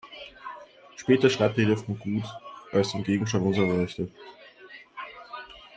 Später schreibt er jedoch vom Gut, als dem „Gegenstand unserer Rechte“.